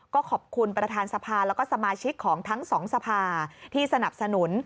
ก็ขอบคุณประธานสภาแล้วก็สมาชิกของทั้งสองสภาที่สนับสนุน